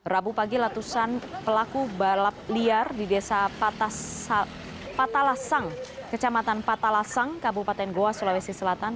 rabu pagi ratusan pelaku balap liar di desa patalasang kecamatan patalasang kabupaten goa sulawesi selatan